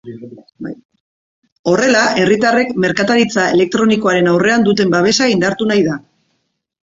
Horrela, herritarrek merkataritza elektronikoaren aurrean duten babesa indartu nahi da.